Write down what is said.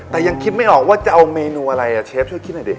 แต่ยังคิดไม่ออกว่าจะเอาเมนูอะไรอ่ะเชฟช่วยคิดหน่อยดิ